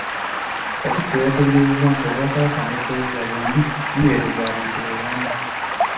Katikkiro yategeeza nti Obwakabaka n’Eklezia byombi biweereza abantu be bamu.